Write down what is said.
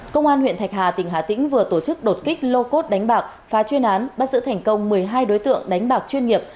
công an huyện thạch hà tỉnh hà tĩnh vừa tổ chức đột kích lô cốt đánh bạc phá chuyên án bắt giữ thành công một mươi hai đối tượng đánh bạc chuyên nghiệp